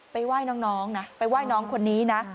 ไหว้น้องนะไปไหว้น้องคนนี้นะ